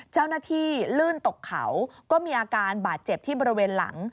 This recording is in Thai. เจ้าหน้าที่ลื่นตกเขาก็มีอาการบาดเจ็บที่บริเวณหลัง